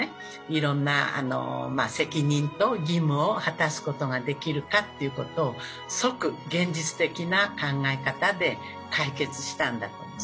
いろんな責任と義務を果たすことができるかっていうことを即現実的な考え方で解決したんだと思う。